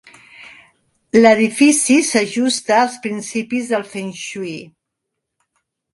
L'edifici s'ajusta als principis del fengshui.